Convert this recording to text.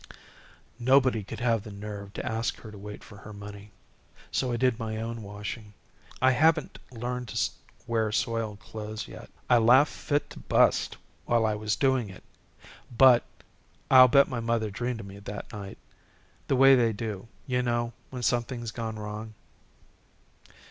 Nobody could have the nerve to ask her to wait for her money. So I did my own washing. I haven't learned to wear soiled clothes yet. I laughed fit to bust while I was doing it. But I'll bet my mother dreamed of me that night. The way they do, you know, when something's gone wrong."